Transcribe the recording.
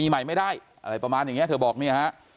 ใหม่ไม่ได้อะไรประมาณอย่างนี้เธอบอกเนี่ยฮะ